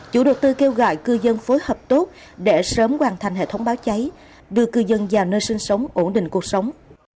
chủ đầu tư kêu gọi cư dân phối hợp tốt để sớm hoàn thành hệ thống báo cháy đưa cư dân vào nơi sinh sống ổn định cuộc sống